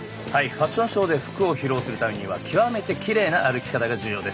ファッションショーで服を披露するためには極めてきれいな歩き方が重要です。